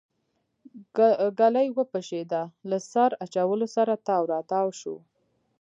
ګلی وپشېده له سر اچولو سره تاو راتاو شو.